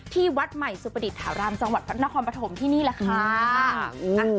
ที่วัดใหม่สุประดิษฐ์ทหารามสังหวัดพระนครปฐมที่นี่แหละค่ะอืมอืมอ๋อ